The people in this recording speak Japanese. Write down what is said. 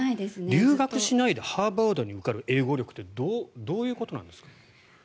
留学しないでハーバードに受かる英語力ってどういうことなんですか？